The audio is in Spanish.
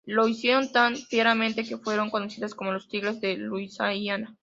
Lo hicieron tan fieramente que fueron conocidas como los "Tigres de Luisiana".